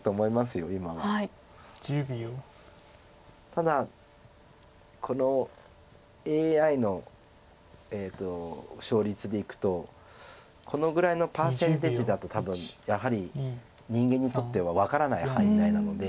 ただこのＡＩの勝率でいくとこのぐらいのパーセンテージだと多分やはり人間にとっては分からない範囲内なので。